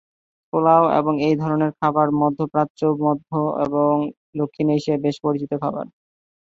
পোলাও এবং এই ধরনের খাবার মধ্য প্রাচ্য, মধ্য ও দক্ষিণ এশিয়ায় বেশ পরিচিত খাবার।